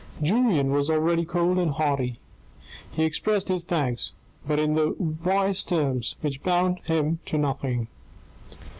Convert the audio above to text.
Julien was already cold and haughty. He expressed his thanks, but in the vaguest terms which bound him to nothing.